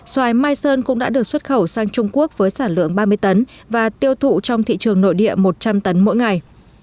xoài mai sơn cũng đã được xuất khẩu sang trung quốc với sản lượng ba mươi tấn và tiêu thụ trong thị trường nội địa một trăm linh tấn mỗi ngày